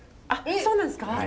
あっそうなんですか！？